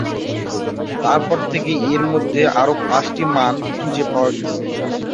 তারপর থেকে এর মধ্যে আরও পাঁচটি মান খুঁজে পাওয়া গেছে।